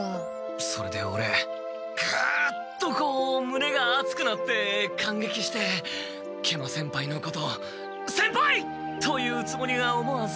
それでオレぐっとこうむねがあつくなってかんげきして食満先輩のこと「先輩！」と言うつもりが思わず。